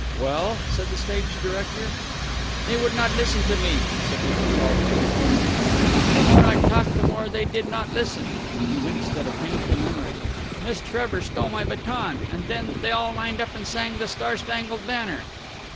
"Well?" said the stage director. "They would not listen to me," said Mr. Saltzburg brokenly. "The more I talked the more they did not listen!" He winced at a painful memory. "Miss Trevor stole my baton, and then they all lined up and sang the 'Star Spangled Banner'!"